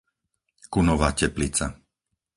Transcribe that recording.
Kunova Teplica